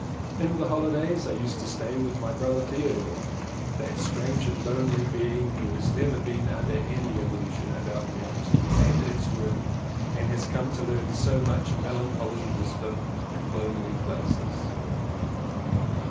In the holidays I used to stay with my brother Theodore, that strange and lonely being, who has never been under any illusion about reality and its worth and has come to learn so much melancholy wisdom in lonely places.